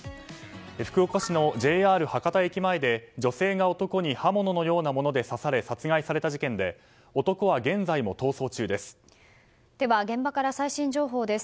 福岡市のＪＲ博多駅前で女性が男に刃物のようなもので刺され、殺害された事件で男は現在も逃走中です。